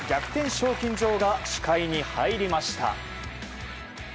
賞金女王が視界に入りました。